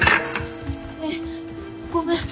ねぇごめん。